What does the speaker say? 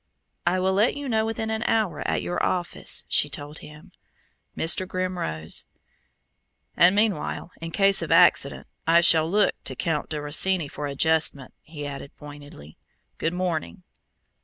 "I will let you know within an hour at your office," she told him. Mr. Grimm rose. "And meanwhile, in case of accident, I shall look to Count di Rosini for adjustment," he added pointedly. "Good morning."